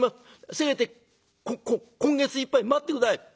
せめて今月いっぱい待って下さい」。